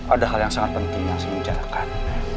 ada hal yang sangat penting yang saya menjarakan